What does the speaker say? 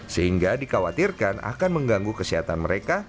sehingga dikhawatirkan akan mengganggu kesehatan mereka